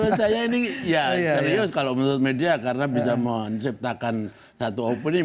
menurut saya ini ya serius kalau menurut media karena bisa menciptakan satu opini